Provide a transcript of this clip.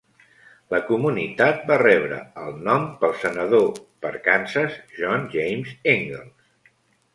La comunitat va rebre el nom pel senador per Kansas John James Ingalls.